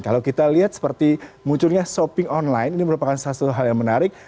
kalau kita lihat seperti munculnya shopping online ini merupakan salah satu hal yang menarik